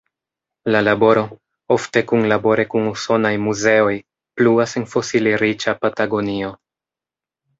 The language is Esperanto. La laboro, ofte kunlabore kun usonaj muzeoj, pluas en fosili-riĉa Patagonio.